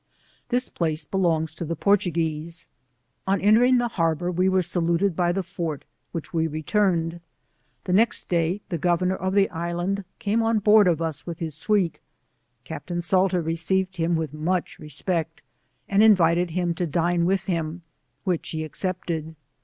This place belongs to the Portuguese. On entering the harbour we were saluted by the fort which we 17 retarned. The next day the Governor of the Island came on board of us with his suite ; Captain Salter received him with much respect and invited him to dine with him, which he accepted.